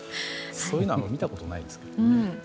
そういうの見たことはないですけどね。